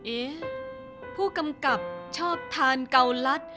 เอ๊ะผู้กำกับชอบทานเกาลัด